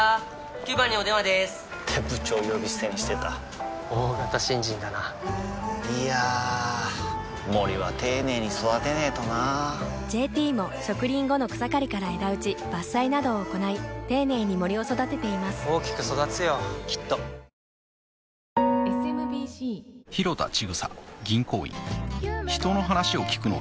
９番にお電話でーす！って部長呼び捨てにしてた大型新人だないやー森は丁寧に育てないとな「ＪＴ」も植林後の草刈りから枝打ち伐採などを行い丁寧に森を育てています大きく育つよきっとプロ野球、勝てばマジック２９が点灯する阪神。